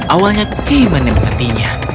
awalnya kay menempatinya